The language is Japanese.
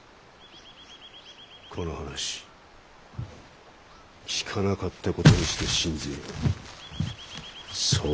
この話聞かなかったことにして進ぜよう。